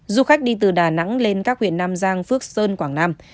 du khách đi từ đà nẵng lên các huyện nam giang phước sơn quảng nam